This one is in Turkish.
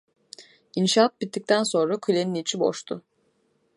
İnşaat bitikten sonra kule'nin içi boşdu.